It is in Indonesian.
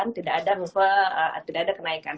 tidak ada kenaikan